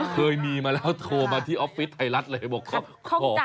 เคยมีมาแล้วโทรมาที่ออฟฟิศไทยรัฐเลยบอกขอ